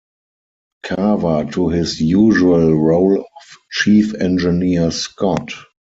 Carver to his usual role of Chief Engineer Scott.